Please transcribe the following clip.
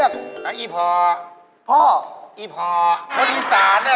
มีคนอีสานป่ะ